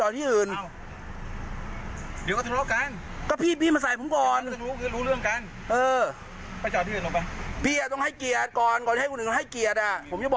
เราอย่าเพิ่งทำอะไร